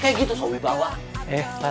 saya disuruh melap